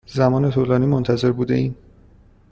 زمان طولانی منتظر بوده ایم.